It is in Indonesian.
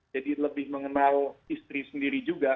jadi lebih mengenal istri sendiri juga